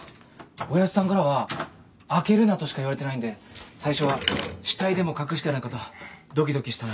親父さんからは開けるなとしか言われてないんで最初は死体でも隠してないかとドキドキしたもんです。